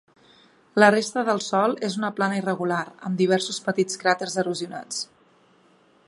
La resta del sòl és una plana irregular, amb diversos petits cràters erosionats.